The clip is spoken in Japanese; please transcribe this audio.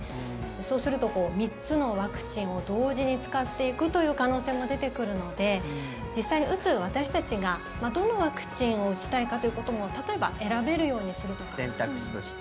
そうすると３つのワクチンを同時に使っていくという可能性も出てくるので実際に打つ私たちがどのワクチンを打ちたいかということも選択肢として。